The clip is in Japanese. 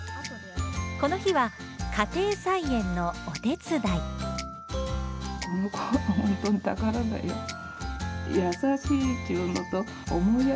この日は家庭菜園のお手伝い